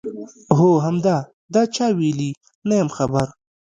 هو همدا، دا چا ویلي؟ نه یم خبر.